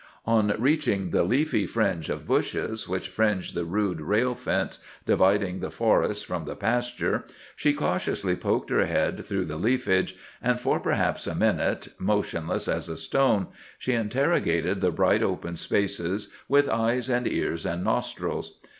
On reaching the leafy fringe of bushes which fringed the rude rail fence dividing the forest from the pasture, she cautiously poked her head through the leafage, and for perhaps a minute, motionless as a stone, she interrogated the bright open spaces with eyes and ears and nostrils.